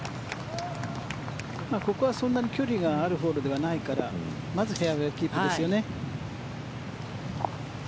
ここはそんなに距離があるホールではないからまずフェアウェーキープですよね。